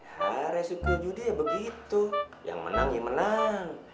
ya resiko judi ya begitu yang menang yang menang